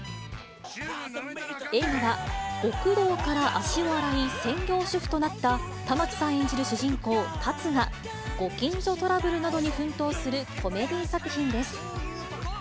映画は、極道から足を洗い専業主夫となった、玉木さん演じる主人公、龍が、ご近所トラブルなどに奮闘するコメディー作品です。